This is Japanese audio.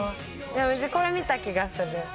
これ見た気がする。